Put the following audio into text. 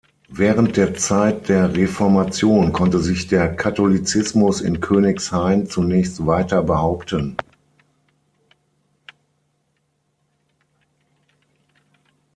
Während der Zeit der Reformation konnte sich der Katholizismus in Königshain zunächst weiter behaupten.